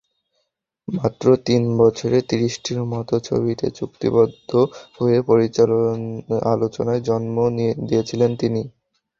মাত্র তিন বছরে ত্রিশটির মতো ছবিতে চুক্তিবদ্ধ হয়ে আলোচনার জন্ম দিয়েছেন তিনি।